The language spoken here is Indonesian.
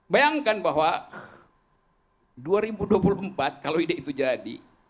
bayangkan bahwa dua ribu dua puluh empat kalau ide itu jadi